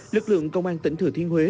lực lượng công an tỉnh thừa thiên huế